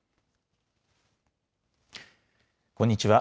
こんにちは。